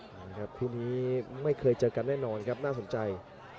เอาละครับคู่นี้ไม่เคยเจอกันแน่นอนครับน่าสนใจ